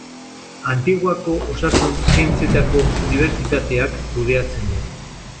Antiguako Osasun Zientzietako Unibertsitateak kudeatzen du.